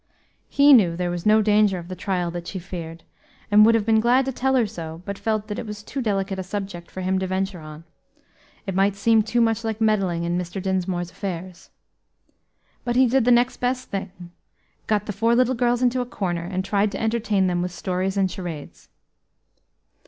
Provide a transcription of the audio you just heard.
He knew there was no danger of the trial that she feared, and would have been glad to tell her so; but he felt that it was too delicate a subject for him to venture on; it might seem too much like meddling in Mr. Dinsmore's affairs. But he did the next best thing got the four little girls into a corner, and tried to entertain them with stories and charades.